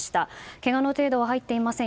けがの程度は入っていません。